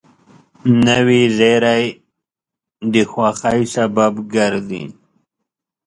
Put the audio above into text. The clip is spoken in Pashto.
نوې زېری د خوښۍ سبب ګرځي